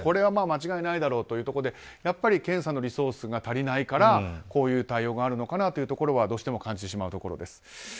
間違いないだろうということでやっぱり検査のリソースが足りないからこういう対応があるのかなとどうしても感じてしまうところです。